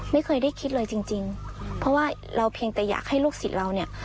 ไม่เคยได้คิดเลยจริงจริงเพราะว่าเราเพียงแต่อยากให้ลูกศิษย์เราเนี่ย